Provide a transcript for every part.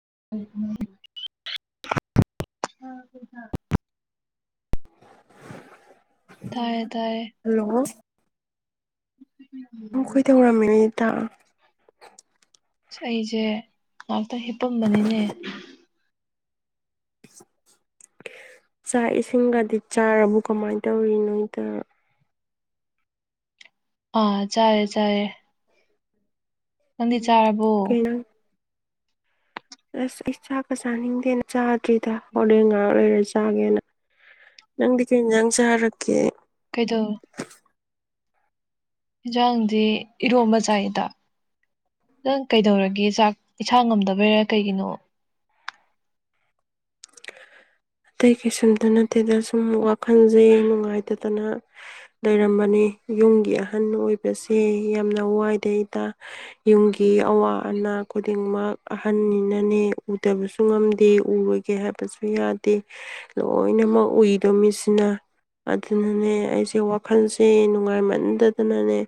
[unintelligible] [unintelligible] ꯇꯥꯌꯦ ꯇꯥꯌꯦ ꯅꯪ ꯀꯩꯗꯧꯔꯝꯃꯤꯅꯣ ꯏꯇꯥ ꯑꯩꯖꯦ ꯍꯤꯞꯄꯝꯕꯅꯤꯅꯦ ꯆꯥꯛ ꯏꯁꯤꯡꯒꯗꯤ ꯆꯥꯔꯕ ꯀꯃꯥꯏꯅ ꯇꯧꯔꯤꯅꯣꯗ ꯑꯥ ꯆꯥꯥꯔꯦ ꯆꯥꯔꯦ ꯅꯪꯗꯤ ꯇꯥꯔꯕꯣ ꯀꯩꯅꯣ ꯑꯁ ꯑꯩ ꯆꯥꯥꯛꯀ ꯆꯥꯅꯤꯡꯗꯦꯅ ꯆꯥ ꯗ꯭ꯔꯤꯗ ꯍꯣꯔꯦꯟ ꯉꯥꯍꯥꯛ ꯂꯩꯔꯒ ꯆꯥꯒꯦꯅ ꯅꯪꯗꯤ ꯀꯩ ꯌꯦꯟꯖꯥꯡ ꯆꯥꯔꯛꯀꯦ ꯀꯩꯗꯧ ꯍꯦꯟꯖꯥꯡꯗꯤ ꯏꯔꯣꯝꯕ ꯆꯥꯏ ꯏꯇꯥ ꯅꯪ ꯀꯩꯗꯧꯔꯒꯦ ꯆꯥꯛ ꯏꯁꯥ ꯉꯝꯗꯕꯩꯔꯥ ꯀꯩꯒꯤꯅꯣ ꯑꯇꯩ ꯀꯩꯁꯨꯝꯇ ꯅꯠꯇꯦꯗ ꯁꯨꯝ ꯋꯥꯈꯟꯖꯦ ꯅꯨꯡꯉꯥꯏꯇꯗꯅ ꯂꯩꯔꯝꯕꯅꯤ ꯌꯨꯝꯒꯤ ꯑꯍꯟ ꯑꯣꯏꯕꯁꯦ ꯌꯥꯝꯅ ꯋꯥꯏ ꯇꯩꯗ ꯌꯨꯝꯒꯤ ꯑꯋꯥ ꯑꯅꯥ ꯈꯨꯗꯤꯡꯃꯛ ꯑꯍꯟꯅꯤꯅꯅꯦ ꯎꯗꯕꯁꯨ ꯉꯝꯗꯦ ꯎꯔꯣꯏꯒꯦ ꯍꯥꯏꯕ ꯇꯁꯨ ꯌꯥꯗ ꯇꯦ ꯂꯣꯏꯅꯃꯛ ꯎꯏꯗꯣ ꯃꯤꯁꯤꯅ ꯑꯗꯨꯅꯅꯦ ꯑꯩꯁꯦ ꯋꯥꯈꯜꯁꯦ ꯅꯨꯡꯉꯥꯏꯃꯟꯗꯗꯅꯅꯦ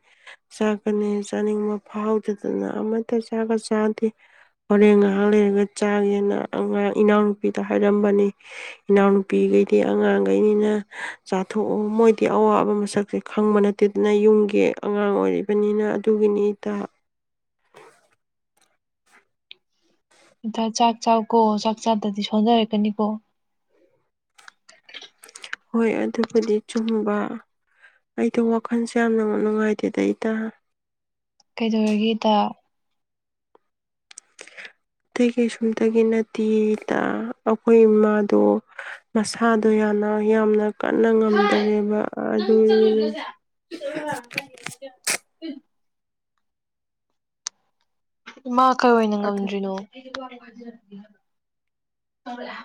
ꯆꯥꯛꯀꯅꯤ ꯆꯥꯅꯤꯡꯕ ꯐꯥꯎꯗꯗꯅ ꯑꯃꯇ ꯆꯥꯛꯀ ꯆꯥꯗꯦ ꯍꯣꯔꯦꯟ ꯉꯥꯏꯍꯥꯡ ꯂꯩꯔꯒ ꯆꯥꯒꯦ ꯅꯥ ꯑꯉꯥꯡ ꯏꯅꯥꯎꯅꯨꯄꯤꯗ ꯍꯥꯏꯔꯝꯕꯅꯤ ꯏꯅꯥꯎꯅꯨꯄꯤꯒꯩꯗꯤ ꯑꯉꯥꯡꯒꯩꯅꯤꯅ ꯆꯥꯊꯣꯛꯑꯣ ꯃꯣꯏꯗꯤ ꯑꯋꯥꯕ ꯃꯁꯛꯁꯦ ꯈꯪꯕ ꯅꯠꯇꯦꯗꯅ ꯌꯨꯝꯒꯤ ꯑꯉꯥꯡ ꯑꯣꯏꯔꯤ ꯕꯅꯤꯅ ꯑꯗꯨꯒꯤꯅꯤꯗ ꯏꯇꯥ ꯆꯥꯛ ꯆꯥꯎꯀꯣ ꯆꯥꯛ ꯆꯥꯗꯗꯤ ꯁꯣꯟꯊꯔꯛꯀꯅꯤꯀꯣ ꯍꯣꯏ ꯑꯗꯨꯕꯨꯗꯤ ꯆꯨꯝꯕ ꯑꯩꯗꯣ ꯋꯥꯈꯜꯁꯦ ꯌꯥꯝꯅ ꯅꯨꯡꯉꯥꯏꯇꯦꯗ ꯏꯇꯥ ꯀꯩꯗꯧꯔꯒꯦ ꯏꯇꯥ ꯑꯇꯩ ꯀꯩꯁꯨꯝꯇꯒꯤ ꯅꯠꯇꯤꯌꯦ ꯏꯇꯥ ꯑꯩꯈꯣꯏ ꯏꯃꯥꯗꯣ ꯃꯁꯥꯗꯣ ꯌꯥꯝꯅ ꯌꯥꯝꯅ ꯀꯟꯅ ꯉꯝꯗꯔꯦꯕ ꯑꯗꯨ ꯏꯃꯥ ꯀꯩ ꯑꯣꯏꯅ ꯑꯗꯨ ꯉꯝꯗ꯭ꯔꯤꯅꯣ꯫ [unintelligible]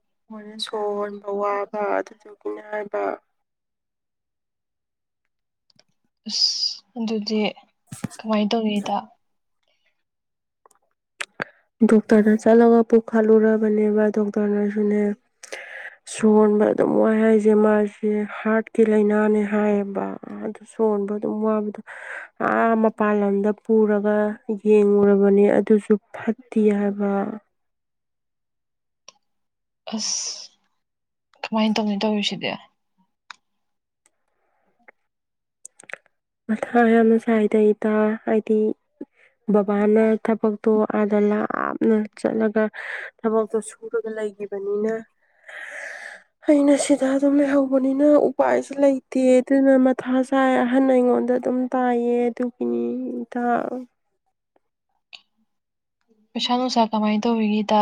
[unintelligible] ꯁꯣꯔ ꯍꯣꯟꯕ ꯋꯥꯕ ꯑꯗꯨꯗꯨ [unintelligible] ꯑꯁ ꯑꯗꯨꯗꯤ꯫ ꯀꯃꯥꯏꯇꯧꯅꯤ ꯏꯇꯥ꯫ ꯗꯣꯛꯇꯔꯗ ꯆꯠꯂꯒ꯫ ꯄꯨ ꯈꯜꯂꯨꯔꯕꯅꯦꯕ ꯗꯣꯛꯇꯔꯅꯁꯨꯅꯦ꯫ ꯁꯣꯟꯕ ꯑꯗꯨꯝ ꯋꯥꯏ ꯍꯥꯏꯁ ꯖꯦꯃꯥꯁꯦ ꯍꯥꯔꯠꯀꯤ ꯂꯥꯏꯅꯥꯅꯦ ꯍꯥꯏꯌꯦꯕ ꯑꯗꯨ ꯁꯣꯟꯕ ꯑꯗꯨꯝ ꯋꯥꯕꯗꯣ꯫ ꯑꯥ ꯃꯄꯥꯥꯟ ꯂꯝꯗ ꯄꯨꯔꯒ ꯌꯦꯡꯉꯨꯔꯕꯅꯤ ꯑꯗꯨꯁꯨ ꯐꯠ [unintelligible] ꯍꯥꯏꯕ꯫ ꯑꯁ ꯀꯃꯥꯏꯅ ꯇꯧꯅꯤ ꯇꯧꯔꯤꯁꯤꯗꯤ꯫ ꯃꯊꯥ ꯌꯥꯝꯅ ꯁꯥꯏ ꯗ ꯑꯩ꯫ ꯗꯥ ꯍꯥꯏꯗꯤ꯫ ꯔꯕꯥꯅ ꯊꯕꯛꯛꯇꯣ꯫ ꯑꯥꯗ ꯂꯥꯞꯅ ꯆꯠꯂꯒ ꯊꯕꯛꯇꯨ ꯁꯨꯔꯒ ꯂꯩꯈꯤꯕꯅꯤꯅ ꯑꯩꯅ ꯁꯤꯗ ꯑꯗꯨꯝ ꯂꯩꯍꯧꯕꯅꯤꯅ ꯎꯄꯥꯏꯁꯨ ꯂꯩꯇꯦ ꯑꯗꯨꯅ ꯃꯊꯥ ꯆꯥꯏ ꯑꯍꯟ ꯑꯩꯉꯣꯟ ꯗ ꯑꯗꯨꯝ ꯇꯥꯏꯌꯦ ꯑꯗꯨꯀꯤꯅꯤ ꯏꯇꯥ ꯄꯩꯁꯥ ꯅꯨꯡꯁꯥ ꯀꯃꯥꯏꯅ ꯇꯧꯔꯤꯒꯦ ꯏꯇꯥ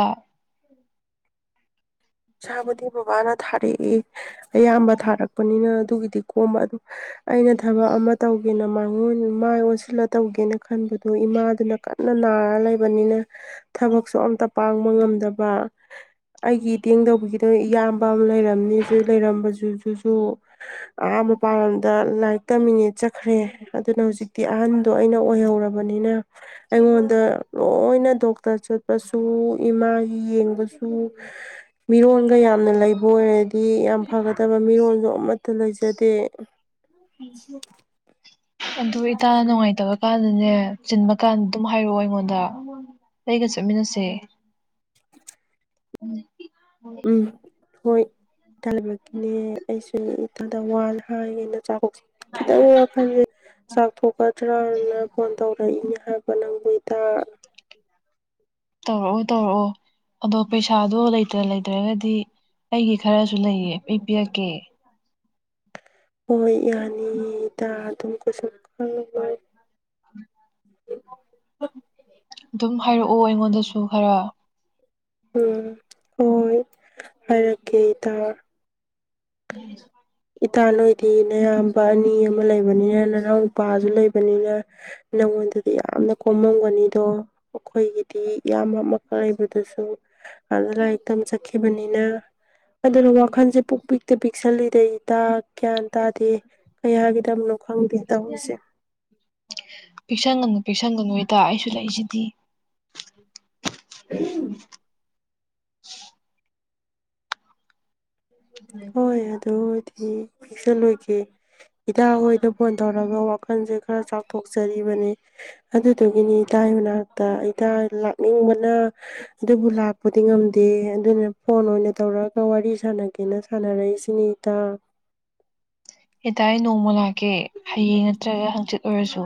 ꯄꯩꯁꯥꯕꯨꯗꯤ ꯕꯕꯥꯅ ꯊꯥꯔꯛꯑꯦ ꯑꯌꯥꯝꯕ ꯊꯥꯔꯛꯄꯅꯤꯅ ꯑꯗꯨꯒꯤꯗꯤ ꯀꯣꯝꯕ ꯑꯗꯨ ꯑꯩꯅ ꯊꯕꯛ ꯑꯃ ꯇꯧꯒꯦꯅ [unintelligible] ꯃꯥꯏ ꯑꯣꯟꯁꯤꯜꯂ ꯇꯧꯒꯦꯅ ꯈꯟꯕꯗꯣ ꯏꯃꯥꯗꯨꯅ ꯀꯟꯅ ꯅꯥꯔ ꯇ ꯂꯩꯕꯅꯤꯅ ꯊꯕꯛꯁꯣ ꯑꯝ ꯄꯥꯡꯕ ꯉꯝꯗꯕ ꯑꯩꯒꯤ ꯏꯇꯦꯡ ꯇꯧꯕꯒꯤꯗ ꯏꯌꯥꯝꯕ ꯑꯃ ꯂꯩꯔꯝꯅꯤ ꯂꯩꯔꯝꯕꯨꯁꯨ ꯑꯍꯥ ꯃꯄꯥꯥꯟ ꯂꯝꯗ ꯂꯥꯏꯔꯤꯛꯇꯃꯤꯅꯦꯠ ꯆꯠꯈ꯭ꯔꯦ ꯑꯗꯨꯅ ꯍꯧꯖꯤꯛꯇꯤ ꯑꯍꯟꯗꯣ ꯑꯩꯅ ꯑꯣꯏꯍꯧꯔꯕꯅꯤꯅ ꯑꯩꯉꯣꯟꯗ ꯂꯣꯏꯅ ꯗꯣꯛꯇꯔ ꯆꯠꯄꯁꯨ ꯏꯃꯥꯒꯤ ꯌꯦꯡꯕꯁꯨ ꯃꯤꯔꯣꯟꯒ ꯌꯥꯝꯅ ꯂꯩꯕ ꯑꯣꯏꯔꯗꯤ ꯗꯤ ꯌꯥꯝ ꯐꯒꯗꯕ ꯃꯤꯔꯣꯜꯁꯨ ꯑꯃꯠꯇ ꯂꯩꯖꯗꯦ ꯑꯗꯨ ꯏꯇꯥꯅ ꯅꯨꯡꯉꯥꯏꯇꯕ ꯀꯥꯟꯗꯅꯦ ꯆꯤꯟꯕ ꯀꯥꯟꯗ ꯑꯗꯨꯝ ꯍꯥꯏꯔꯛꯑꯣ ꯑꯩꯉꯣꯟꯗ ꯑꯩꯒ ꯆꯠꯃꯤꯟꯅꯁꯦ ꯎꯝ ꯍꯣꯏ ꯏꯊꯜꯃꯛꯀꯤꯅꯦ ꯑꯩꯁꯨ ꯏꯊꯗ ꯋꯥ ꯍꯥꯏꯒꯦꯅ ꯆꯥꯛ [unintelligible] ꯈꯤꯗꯥꯪꯪ ꯗꯤ ꯋꯈꯟꯁꯤ ꯆꯥꯛ ꯊꯣꯛꯇ ꯅꯡꯅ ꯐꯣꯟ ꯇꯧꯔꯛꯏꯅꯦ ꯄꯍꯔꯛꯞ ꯅꯥꯪꯗꯤ ꯏꯇꯥ ꯇꯧꯔꯛꯑꯣ ꯇꯧꯔꯛꯑꯣ ꯑꯗꯣ ꯄꯩꯁꯥꯗꯣ ꯂꯩꯇ꯭ꯔ ꯂꯩꯇ꯭ꯔꯒꯗꯤ ꯑꯩꯒꯤ ꯈꯔꯁꯨ ꯂꯩꯌꯦ ꯑꯩ ꯄꯤꯔꯛꯀꯦ ꯍꯣꯌ ꯌꯥꯅꯤ ꯏꯇꯥ ꯑꯗꯨꯨꯀ ꯀꯩꯁꯨ ꯈꯂꯨꯅꯨ ꯎ ꯑꯗꯨꯝ ꯍꯥꯏꯔꯛꯑꯣ ꯑꯩꯉꯣꯟꯗꯁꯨ ꯈꯔ ꯎꯝ ꯍꯣꯌ [inaudible] ꯍꯥꯏꯔꯛꯀꯦ ꯏꯇꯥ ꯎꯝ ꯏꯇꯥ ꯅꯣꯏꯗꯤ ꯅꯌꯥꯝꯕ ꯑꯅꯤ ꯑꯃ ꯂꯩꯕꯅꯤꯅ ꯅꯅꯥꯎꯄꯥꯁꯨ ꯂꯩꯕ ꯕꯅꯤꯂꯥ ꯅꯪꯉꯣꯟꯗꯗꯤ ꯌꯥꯝꯅ ꯀꯣꯝꯃꯝꯒꯅꯤꯗꯣ ꯑꯩꯈꯣꯏꯒꯤꯗꯤ ꯏꯌꯥꯝꯕ ꯑꯃꯈꯛ ꯂꯩꯕꯗꯨꯁꯨ ꯑꯗ ꯂꯥꯏꯔꯤꯛ ꯇꯝ ꯆꯠꯈꯤꯕꯅꯤꯅ ꯑꯗꯨꯅ ꯋꯥꯈꯜꯁꯦ ꯄꯨꯛ ꯄꯤꯛꯇ ꯄꯤꯛꯁꯜꯂꯤꯗ ꯑꯩ ꯃꯍꯥꯛ ꯒ꯭ꯌꯥꯟ ꯇꯥꯗꯦ ꯀꯩ ꯍꯥꯏꯒꯗꯕꯅꯣ ꯈꯪꯗꯦ ꯇꯧꯔꯤꯁꯦ ꯄꯤꯛꯁꯟꯒꯅꯨ ꯄꯤꯛꯁꯟꯒꯅꯨ ꯏꯇꯥ ꯑꯩꯁꯨ ꯂꯩꯁꯤ ꯗꯤ ꯎꯍꯝ- ꯍꯣꯏ ꯑꯗꯨ ꯕꯨꯗꯤ ꯄꯤꯛꯁꯟꯂꯣꯏꯒꯦ ꯏꯇꯥꯍꯣꯏꯗ ꯐꯣꯟ ꯇꯧꯔꯒ ꯋꯥ ꯋꯥꯈꯜꯖꯦ ꯈꯔ ꯆꯥꯎꯊꯣꯛꯆꯔꯤꯕꯅꯤ ꯑꯗꯨꯗꯨꯒꯤꯅꯤ ꯏꯇꯥꯒꯤ ꯃꯅꯥꯛꯇ ꯏꯇꯥ ꯂꯥꯛꯅꯤꯡꯕ ꯅ ꯍꯍ ꯑꯗꯨꯕꯨ ꯂꯥꯛꯄꯗꯤ ꯉꯝꯗꯦ ꯑꯗꯨꯅ ꯐꯣꯟ ꯑꯣꯏꯅ ꯇꯧꯔꯒ ꯋꯥꯔꯤ ꯁꯥꯟꯅ ꯁꯥꯟꯅꯔꯩꯁꯤꯅꯤ ꯏꯇꯥ ꯏꯇꯥ ꯑꯩ ꯅꯣꯡꯃ ꯂꯥꯛꯀꯦ ꯍꯌꯦꯡ ꯅꯠꯇ꯭ꯔꯒ ꯍꯥꯡꯆꯤꯠ ꯑꯣꯏꯔꯁꯨ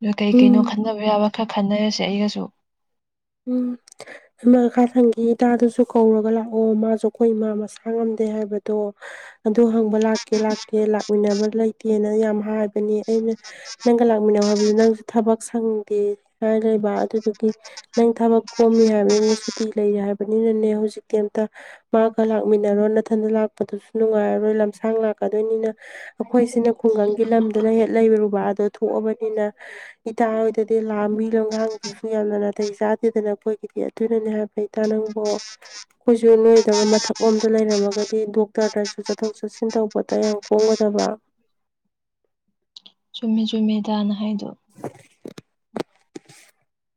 ꯑꯗꯨ ꯀꯩ ꯎꯝ ꯀꯩꯅꯣ ꯈꯟꯅꯕ ꯌꯥꯕ ꯈꯔ ꯈꯟꯅꯔꯁꯦ ꯑꯩꯒꯁꯨ ꯎꯝ ꯑꯃ ꯃꯈꯥ ꯊꯪꯒꯤ ꯏꯇꯥ ꯑꯗꯨꯁꯨ ꯁꯨ ꯀꯧꯔꯒ ꯂꯥꯛꯑꯣ ꯃꯥꯁꯨ ꯑꯩꯈꯣꯏ ꯏꯃꯥ ꯃꯁꯥ ꯈꯥꯡꯉꯝꯗꯦ ꯍꯥꯏꯕꯗꯣ ꯑꯗꯨ ꯍꯪꯕ ꯂꯥꯛꯀꯦ ꯂꯥꯛꯀꯦ ꯂꯥꯛꯃꯤꯟꯅꯕ ꯂꯩꯇꯦꯅ ꯌꯥꯝ ꯍꯥꯏꯕꯅꯤ ꯑꯩꯅ ꯅꯪꯒ ꯂꯥꯛꯃꯤꯟꯅꯧ ꯍꯥꯏꯕꯗꯨ ꯅꯪꯁꯨ ꯊꯕꯛ ꯁꯪꯗꯦ ꯍꯥꯏ ꯂꯩꯕ ꯑꯗꯨꯗꯨꯒꯤ ꯍꯍ ꯅꯪ ꯊꯕꯛ ꯀꯣꯝꯃꯤ ꯍꯥꯏꯕꯅꯤꯅ ꯁꯨꯇꯤ ꯂꯩꯔꯦ ꯍꯥꯏꯕꯅꯤꯅꯅꯦ ꯍꯧꯖꯤꯛ ꯀꯩꯝꯇꯥ ꯃꯥꯒ ꯂꯥꯛꯃꯤꯟꯅꯔꯣ ꯅꯊꯟꯗ ꯂꯥꯛꯄꯗꯨꯁꯨ ꯅꯨꯡꯉꯥꯏꯔꯔꯣꯏ ꯂꯝꯁꯥꯡ ꯂꯥꯛꯀꯗꯣꯏꯅꯤꯅ ꯑꯩꯈꯣꯏꯁꯤꯅ ꯈꯨꯡꯒꯪꯒꯤ ꯂꯝꯗ ꯂꯩ ꯍꯦꯛ ꯂꯩꯔꯨꯕꯥꯗꯣ ꯊꯣꯛꯑꯕꯅꯤꯅ ꯏꯇꯥ ꯍꯣꯏꯗꯗꯤ ꯂꯥꯝꯕꯤ ꯂꯝꯒꯥꯡꯗꯨꯁꯨ ꯌꯥꯝꯅ ꯅꯥ ꯇꯩ ꯆꯥꯗꯦꯗꯅ ꯑꯩꯈꯣꯏꯒꯤꯗꯤ ꯑꯗꯨꯅꯅꯦ ꯍꯥꯏꯕ ꯏꯇꯥ ꯅꯪꯕꯣ ꯑꯩꯈꯣꯏꯁꯨ ꯅꯣꯏꯗꯧꯅ ꯃꯊꯛ ꯂꯣꯝ ꯗ ꯂꯩꯔꯝꯃꯒꯗꯤ ꯗꯣꯛꯇꯔꯗꯁꯨ ꯆꯠꯊꯣꯛ ꯆꯠꯁꯤꯟ ꯇꯧꯕꯗ ꯌꯥꯝ ꯀꯣꯝꯒꯗꯕ ꯆꯨꯝꯃꯦ ꯆꯨꯝꯃꯦ ꯏꯇꯥꯅ ꯍꯥꯏꯗꯣ ꯂꯧꯁꯤꯟꯕ ꯉꯝꯗꯕ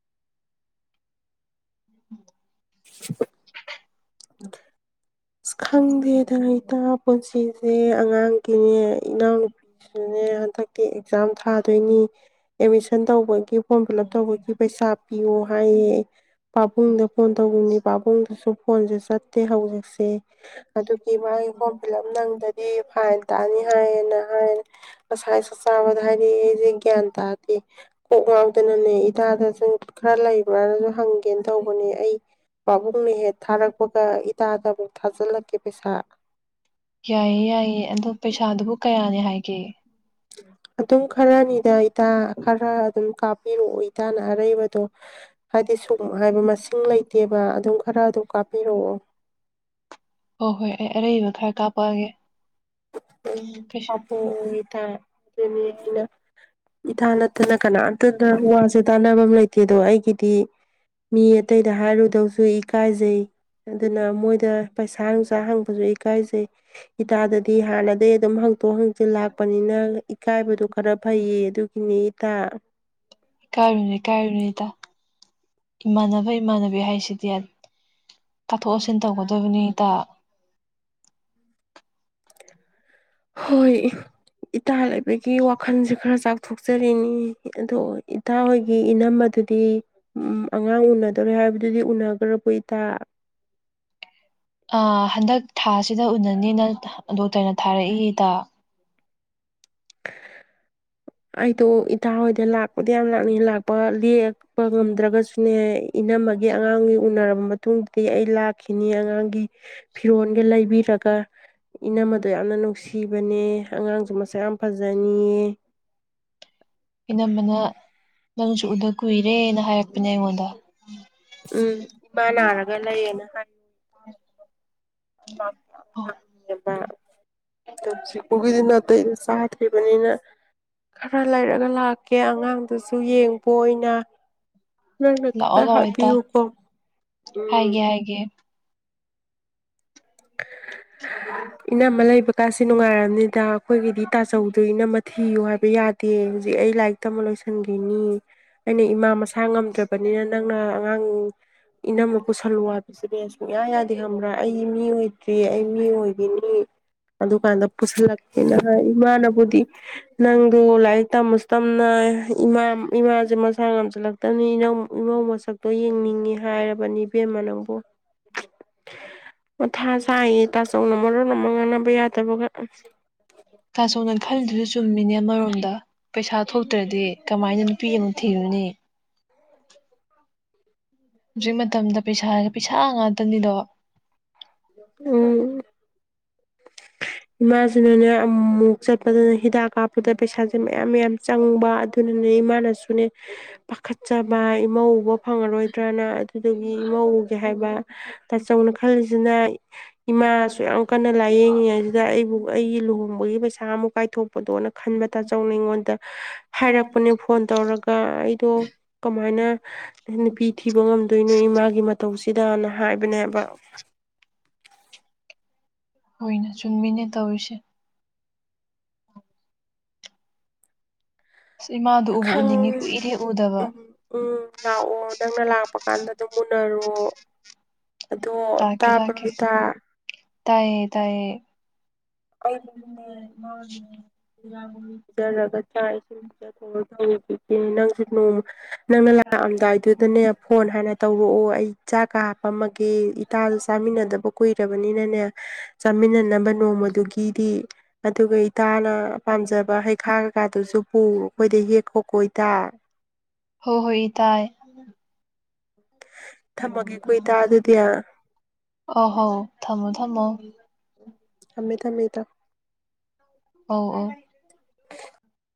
ꯎꯝ ꯎꯝ ꯂꯧꯁꯤꯟꯕ ꯉꯝꯗꯕ ꯂꯧꯁꯤꯟꯕ ꯉꯝꯗꯕ ꯑꯁ ꯈꯪꯗꯦꯗ ꯏꯇꯥ ꯄꯨꯟꯁꯤꯁꯦ ꯑꯉꯥꯡꯒꯤꯅꯦ ꯏꯅꯥꯎꯅꯨꯄꯤꯁꯨꯅꯦ ꯍꯟꯗꯛꯇꯤ ꯑꯦꯛꯖꯥꯝ ꯊꯥꯗꯣꯏꯅꯤ ꯑꯦꯠꯃꯤꯁꯟ ꯇꯧꯕꯒꯤ ꯐꯣꯔꯝ ꯐꯤꯜ ꯂꯞ ꯇꯧꯕꯒꯤ ꯄꯩꯁꯥ ꯄꯤꯌꯣ ꯍꯥꯏꯌꯦ ꯄꯥꯕꯨꯡꯗ ꯐꯣꯟ ꯇꯧꯕꯅꯤ ꯄꯥꯕꯨꯡꯗꯨꯁꯨ ꯐꯣꯟꯁꯦ ꯆꯠꯇꯦ ꯍꯧꯖꯤꯛ ꯇꯦ ꯑꯗꯨꯒꯤ ꯃꯥꯒꯤ ꯐꯣꯝ ꯐꯤꯜ ꯂꯞ ꯅꯪꯗꯗꯤ ꯐꯥꯏꯟ ꯇꯥꯅꯤ ꯍꯥꯏꯌꯦꯅ ꯍꯥꯏ ꯉꯁꯥꯏ ꯆꯥꯛꯆꯥꯥꯕꯗ ꯍꯥꯏꯔꯛꯑꯦ ꯑꯩꯁꯦ ꯒ꯭ꯌꯥꯟ ꯇꯥꯗꯦ ꯀꯣꯛ ꯉꯥꯎꯗꯅꯅꯦ ꯏꯇꯥꯗꯁꯨ ꯈꯔ ꯂꯩꯕ꯭ꯔꯥꯅꯁꯨ ꯍꯪꯒꯦꯅ ꯇꯧꯕꯅꯦ ꯑꯩ ꯄꯥꯕꯨꯡꯅ ꯍꯦꯛ ꯊꯥꯔꯛꯄꯒ ꯏꯇꯥꯗ ꯊꯥꯖꯜꯂꯛꯀꯦ ꯄꯩꯁꯥ ꯌꯥꯏꯌꯦ ꯌꯥꯏꯌꯦ ꯑꯗꯣ ꯄꯩꯁꯥꯗꯨꯕꯨ ꯀꯌꯥꯅꯤ ꯍꯥꯏꯒꯦ ꯑꯗꯨꯝ ꯈꯔꯅꯤꯗ ꯏꯇꯥ ꯈꯔ ꯑꯗꯨꯝ ꯀꯥꯞꯄꯤꯔꯛꯑꯣ ꯏꯇꯥꯅ ꯑꯔꯩꯕꯗꯣ ꯍꯥꯏꯗꯤ ꯁꯨꯝ ꯍꯥꯏꯕ ꯃꯁꯤꯡ ꯂꯩꯇꯦꯕ ꯑꯗꯨꯝ ꯈꯔ ꯑꯗꯨꯝ ꯀꯥꯞꯄꯤꯔꯛꯑꯣ ꯍꯣꯏ ꯍꯣꯏ ꯑꯩ ꯑꯔꯩꯕ ꯈꯔ ꯀꯥꯞꯄꯛꯑꯒꯦ ꯀꯩꯁꯨ ꯏꯇꯥ ꯏꯅꯠꯇꯅ ꯀꯅꯥ ꯋꯥꯁꯦ ꯇꯥꯟꯅꯕꯝ ꯑꯃ ꯂꯩꯇꯦꯗꯣ ꯑꯩꯒꯤꯗꯤ ꯃꯤ ꯑꯇꯩꯗ ꯍꯥꯏꯔꯨꯗꯧꯁꯨ ꯏꯀꯥꯏꯖꯩ ꯑꯗꯨꯅ ꯃꯣꯏꯗ ꯄꯩꯁꯥ ꯅꯨꯡꯁꯥ ꯍꯪꯕꯁꯨ ꯏꯀꯥꯏꯖꯩ ꯏꯇꯥꯗ ꯍꯥꯟꯅꯗꯒꯩ ꯑꯗꯨꯝ ꯍꯪꯇꯣꯛ ꯍꯪꯆꯤꯟ ꯂꯥꯛꯄꯅꯤꯅ ꯏꯀꯥꯏꯕꯗꯣ ꯈꯔ ꯐꯩꯌꯦ ꯑꯗꯨꯒꯤꯅꯤ ꯏꯇꯥ ꯏꯀꯥꯏꯔꯨꯅꯨ ꯏꯀꯥꯏꯔꯨꯅꯨ ꯏꯇꯥ ꯏꯃꯥꯟꯅꯕ ꯏꯃꯥꯟꯅꯕꯤ ꯍꯥꯏꯁꯤꯗꯤ ꯇꯥꯊꯣꯛ ꯇꯥꯁꯤꯟ ꯇꯧꯒꯗꯕꯅꯤ ꯏꯇꯥ ꯍꯣꯏ ꯏꯇꯥ ꯂꯩꯕꯒꯤ ꯋꯥꯈꯜꯁꯦ ꯈꯔ ꯆꯥꯎꯊꯣꯛꯆꯔꯤꯅꯤ ꯑꯗꯣ ꯏꯇꯥ ꯍꯣꯏꯒꯤ ꯏꯅꯝꯃꯗꯨꯗꯤ ꯑꯉꯥꯡ ꯎꯅ ꯇꯧꯔꯦ ꯍꯥꯏꯕꯗꯨꯗꯤ ꯎꯅꯒ꯭ꯔꯕꯣ ꯏꯇꯥ ꯍꯟꯗꯛ ꯊꯥꯁꯤꯗ ꯎꯅꯅꯤꯅ ꯗꯣꯛꯇꯔꯅ ꯊꯥꯔꯛꯏ ꯏꯇꯥ ꯑꯩꯗꯣ ꯏꯇꯥ ꯍꯣꯏꯗ ꯂꯥꯛꯄꯗꯤ ꯌꯥꯝ ꯂꯥꯛꯅꯤꯡ ꯂꯥꯛꯄ ꯂꯦꯛꯄ ꯉꯝꯗ꯭ꯔꯒꯁꯨꯅꯦ ꯏꯅꯝꯃꯒꯤ ꯑꯉꯥꯡꯒꯤ ꯎꯅꯔꯝꯕ ꯃꯇꯨꯡꯗꯗꯤ ꯑꯩ ꯂꯥꯛꯈꯤꯅꯤ ꯑꯉꯥꯡꯒꯤ ꯐꯤꯔꯣꯜꯒ ꯂꯩꯕꯤꯔꯒ ꯏꯅꯝꯃꯗꯣ ꯌꯥꯝꯅ ꯅꯨꯡꯁꯤꯕꯅꯦ ꯑꯉꯥꯡꯁꯨ ꯃꯁꯥ ꯌꯥꯝ ꯐꯖꯅꯤꯌꯦ ꯏꯅꯝꯃꯅ ꯅꯪꯁꯨ ꯎꯗ ꯀꯨꯏꯔꯦꯅ ꯍꯥꯏꯔꯛꯄꯅꯦ ꯑꯩꯉꯣꯟꯗ ꯎꯝ ꯏꯃꯥ ꯅꯥꯔꯒ ꯂꯩꯌꯦꯅ ꯍꯥꯏ ꯑꯣ [unintelligible] ꯇꯕꯅꯤꯅ ꯈꯔ ꯂꯩꯔꯒ ꯂꯥꯛ ꯀꯦ ꯑꯉꯥꯡꯗꯨꯁꯨ ꯌꯦꯡ ꯄ ꯑꯣꯏꯅ ꯅꯪꯅ ꯂꯥꯛꯑꯣ ꯈꯔ ꯂꯥꯛꯑꯣ ꯏꯇꯥ ꯍꯥꯏꯕꯤꯌꯨꯀꯣ ꯎꯝ ꯍꯥꯏꯒꯦ ꯍꯥꯏꯒꯦ ꯏꯅꯝꯃ ꯂꯩꯕ ꯀꯥꯁꯤ ꯅꯨꯡꯉꯥꯏꯔꯝꯅꯤꯗ ꯑꯩꯈꯣꯏꯒꯤꯗꯤ ꯇꯥꯆꯧꯗꯣ ꯏꯅꯝꯃ ꯊꯤꯌꯨ ꯍꯥꯏꯕ ꯌꯥꯗꯦ ꯍꯧꯖꯤꯛ ꯑꯩ ꯂꯥꯏꯔꯤꯛ ꯇꯝꯕ ꯂꯣꯏꯁꯤꯟꯈꯤꯅꯤ ꯑꯩꯅ ꯏꯃꯥ ꯃꯁꯥ ꯉꯝꯗ꯭ꯔꯕꯅꯤꯅ ꯅꯪꯅ ꯥ [inaudible] ꯏꯅꯝꯃ ꯄꯨꯁꯜꯂꯨ ꯍꯥꯏꯕꯁꯨꯅꯦ ꯁꯨꯡꯌꯥ ꯌꯥꯗꯦ ꯈꯪꯕ꯭ꯔꯥ ꯑꯩ ꯇ꯭ꯔꯤ ꯑꯩ ꯃꯤ ꯑꯣꯏꯈꯤꯅꯤ ꯎꯝ ꯑꯗꯨꯀꯥꯟꯗ ꯄꯨꯁꯤꯜꯂꯛꯀꯦꯅ ꯍꯥꯏ ꯏꯃꯥꯅꯕꯨꯗꯤ ꯅꯪꯗꯣ ꯂꯥꯏꯔꯤꯛ ꯇꯝꯃꯁꯨ ꯇꯝꯅ ꯏꯃꯥ ꯏꯃꯥꯁꯦ ꯃꯁꯥ ꯉꯝꯁꯤꯜꯂꯛꯇꯕꯅꯤ ꯏꯃꯧ ꯃꯁꯛꯇꯣ ꯌꯦꯡꯅꯤꯡꯉꯤ ꯍꯥꯏꯔꯕꯅꯤ ꯄꯦꯃ ꯅꯥꯡꯕꯨ ꯃꯊꯥ ꯁꯥꯌꯦ ꯠꯆꯧꯟ ꯃꯥꯔꯣꯟ ꯃ ꯉꯥꯟꯅꯕ ꯌꯥꯗꯕꯒ ꯇꯥꯆꯧꯟ ꯈꯜꯂꯤꯗꯨꯁꯨ ꯆꯨꯝꯃꯤꯅꯦ ꯑꯃꯔꯣꯝꯗ ꯄꯩꯁꯥ ꯊꯣꯛꯇ꯭ꯔꯗꯤ ꯀꯃꯥꯏꯅ ꯅꯨꯄꯤ ꯑꯃ ꯊꯤꯔꯨꯅꯤ ꯍꯧꯖꯤꯛ ꯃꯇꯝꯗ ꯄꯩꯁꯥ ꯄꯩꯁꯥ ꯉꯥꯛꯇꯅꯤꯗꯣ ꯎꯝ ꯏꯃꯥꯁꯨꯅꯤꯅꯦ ꯑꯃꯨꯛ ꯆꯠꯄꯗꯅ ꯍꯤꯗꯥꯛ ꯀꯥꯞꯄꯗ ꯄꯩꯁꯥꯁꯦ ꯃꯌꯥꯝ ꯃꯌꯥꯝ ꯆꯪꯕ ꯑꯗꯨꯅ ꯏꯃꯥ ꯑꯁꯨꯅꯦ ꯄꯥꯈꯠꯆꯕ ꯏꯃꯧ ꯎꯕ ꯐꯪꯉꯔꯣꯏꯗ꯭ꯔꯅ ꯑꯗꯨꯗꯒꯤ ꯏꯃꯧꯒꯦ ꯍꯥꯏꯕ ꯇꯥꯆꯧꯅ ꯈꯜꯂꯤꯁꯤꯅ ꯏꯃꯥꯁꯨ ꯌꯥꯝ ꯀꯟꯅ ꯂꯥꯏꯌꯦꯡꯉꯤ ꯍꯥꯏ ꯑꯩꯕꯨ ꯑꯩ ꯂꯨꯍꯣꯡꯕꯒꯤ ꯄꯩꯁꯥ ꯑꯃꯨꯛ ꯀꯥꯏꯊꯣꯛ ꯄꯗꯣꯅ ꯈꯟꯕ ꯇꯥꯆꯧꯅ ꯑꯩꯉꯣꯟꯗ ꯍꯥꯏꯔꯛꯄꯅꯦ ꯐꯣꯟ ꯇꯧꯔꯒ ꯑꯩꯗꯣ ꯀꯃꯥꯏꯅ ꯅꯨꯄꯤ ꯊꯤꯕ ꯉꯝꯗꯣꯏꯅꯣ ꯏꯃꯥꯒꯤ ꯃꯇꯧꯁ ꯁꯤꯗꯥꯅ ꯍꯥꯏꯕꯅꯦꯕ ꯍꯣꯏꯅ ꯆꯟꯃꯤꯅꯦ ꯇꯧꯔꯤꯁꯦ ꯑꯁ ꯏꯃꯥꯗꯣ ꯎꯕꯨ ꯈꯪ ꯎꯅꯤꯡꯉꯤ ꯀꯨꯏꯔꯦ ꯎꯗꯕ ꯎꯝ ꯎꯝ ꯂꯥꯛꯑꯣ ꯅꯪꯅ ꯂꯥꯛꯄ ꯀꯥꯟꯗꯝ ꯃꯨꯟꯅꯔꯣ ꯑꯗꯣ ꯂꯥꯛꯀꯦ ꯇꯥꯕ꯭ꯔꯣ ꯂꯥꯛꯀꯦ ꯏꯇꯥ ꯇꯥꯏꯌꯦ ꯇꯥꯏꯌꯦ [unintelligible] ꯆꯥꯛ ꯏꯁꯤꯡ [unintelligible] ꯎꯝ ꯅꯪꯁꯨ ꯅꯣꯡꯃ ꯅꯪꯅ ꯂꯥꯛꯑꯝꯗꯥꯏꯗꯨꯗꯅꯦ ꯐꯣꯟ ꯍꯥꯏꯅ ꯇꯧꯔꯛꯑꯣ ꯑꯩ ꯆꯥꯛ ꯀ ꯍꯥꯄꯝꯃꯒꯦ ꯏꯇꯥꯁꯨ ꯆꯥꯃꯤꯟꯅꯗꯕ ꯀꯨꯏ ꯭ꯔꯕꯅꯤꯅꯅꯦ ꯆꯥꯃꯤꯟꯅꯅꯕ ꯅꯣꯡꯃꯗꯨꯒꯤ [unintelligible] ꯑꯗꯨꯒ ꯏꯇꯥꯅ ꯄꯥꯝꯖꯕ ꯍꯩꯈꯥꯡ ꯀ ꯀꯥꯗꯨꯁꯨ ꯄꯨ ꯑꯩꯈꯣꯏꯗꯩꯩ ꯍꯦꯛꯈꯣ ꯀꯣꯏ ꯏꯇꯥ ꯍꯣ ꯍꯣꯏ ꯇꯥꯏ [inaudible] ꯊꯝꯃꯒꯦꯀꯣ ꯏꯇꯥ ꯑꯗꯨꯗꯤ ꯑ ꯍꯣ ꯊꯝꯃꯣ ꯊꯝꯃꯣ ꯊꯝꯃꯦ ꯊꯝꯃꯦ ꯏꯇꯥ ꯎ ꯎ [inaudible]